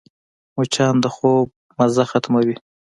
مچان د خوب مزه ختموي